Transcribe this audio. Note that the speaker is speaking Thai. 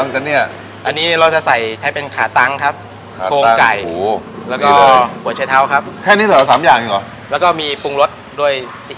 ข้าวในใส่อะไรบ้างนะเนี่ย